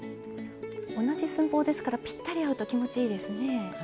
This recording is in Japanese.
同じ寸法ですからぴったり合うと気持ちいいですね。